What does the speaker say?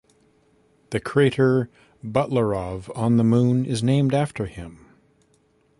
The crater Butlerov on the Moon is named after him.